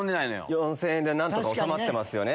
４０００円で何とか収まってますよね。